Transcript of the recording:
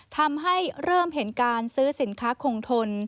ทำให้เริ่มเห็นการซื้อสินค้าคงทน